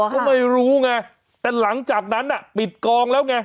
ก็ไม่รู้ไงแต่หลังจากนั้นปิดกองแล้วไง